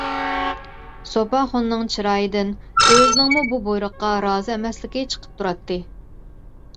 سوپاخۇننىڭ چىرايىدىن، ئۆزىنىڭمۇ بۇ بۇيرۇققا رازى ئەمەسلىكى چىقىپ تۇراتتى.